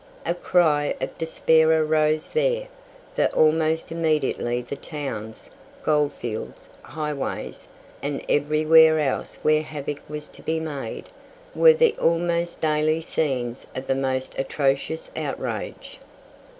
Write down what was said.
A cry of despair arose there, for almost immediately the towns, goldfields, highways, and everywhere else where havoc was to be made, were the almost daily scenes of the most atrocious outrage.